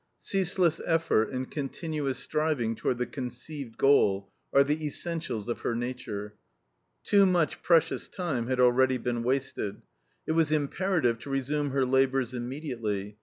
Ceaseless effort and continuous striving toward the conceived goal are the essentials of her nature. Too much precious time had already been wasted. It was imperative to resume her labors immediately.